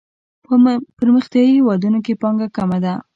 په پرمختیايي هیوادونو کې پانګه کمه ده.